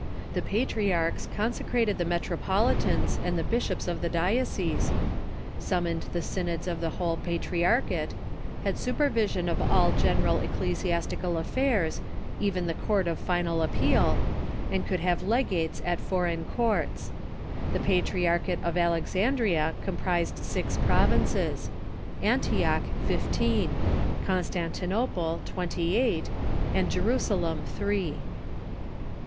Tlie patriarchs consecrated the metropolitans and Pfltri2rch&tG the bishops of the diocese, summoned the synods of the whole patriarchate, had supervision of all gen&ral ecclesi astical aifairs, even the court of final appeal, and could have legates at foreign courts. The ])atriarchate of Alexandria comprised six provinces; vVntiocli, fifteen; Constantinople, twentj' eight ; and Jorusalom, three.